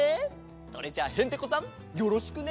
それじゃあヘンテコさんよろしくね！